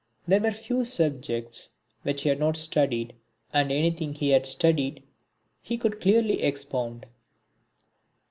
There were few subjects which he had not studied and anything he had studied he could clearly expound.